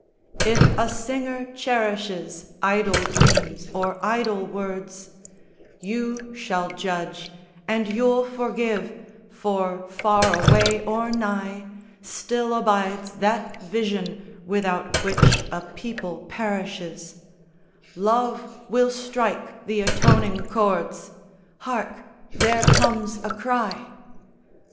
VIII If a singer cherishes Idle dreams or idle words, You shall judge and you'll forgive: for, far away or nigh, Still abides that Vision without which a people perishes: Love will strike the atoning chords! Hark there comes a cry!